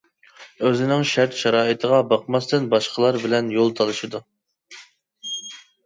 ئۆزىنىڭ شەرت-شارائىتىغا باقماستىن، باشقىلار بىلەن يول تالىشىدۇ.